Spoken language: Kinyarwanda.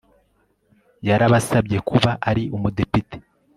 yarabasabye kuba ari umudepite